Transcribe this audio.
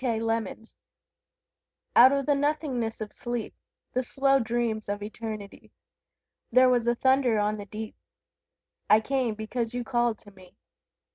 The Call Out of the nothingness of sleep, The slow dreams of Eternity, There was a thunder on the deep: I came, because you called to me.